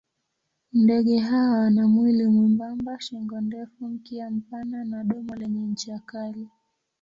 Ndege hawa wana mwili mwembamba, shingo ndefu, mkia mpana na domo lenye ncha kali.